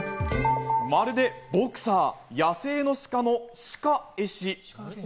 まるでボクサー、野生のシカの仕返し。